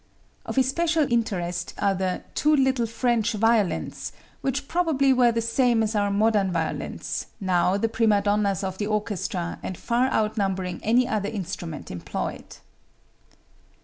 Of especial interest are the "two little French violins," which probably were the same as our modern violins, now the prima donnas of the orchestra and far outnumbering any other instrument employed.